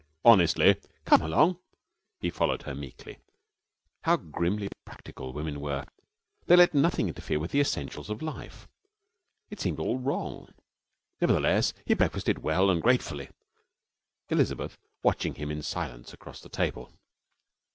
'Honestly ' 'Come along.' He followed her meekly. How grimly practical women were! They let nothing interfere with the essentials of life. It seemed all wrong. Nevertheless, he breakfasted well and gratefully, Elizabeth watching him in silence across the table.